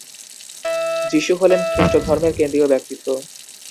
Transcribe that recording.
যিশু হলেন খ্রিস্টধর্মের কেন্দ্রীয় ব্যক্তিত্ব।